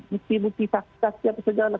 bukti bukti fakta siapa